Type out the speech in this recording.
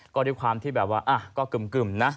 ก็ด้วยความที่แบบว่าก็กึ่มนะ